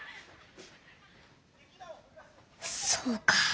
そうか。